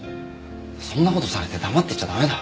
そんな事されて黙ってちゃ駄目だ。